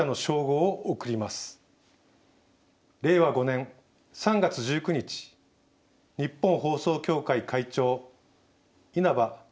令和５年３月１９日日本放送協会会長稲葉延雄」。